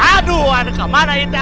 aduh kemana itu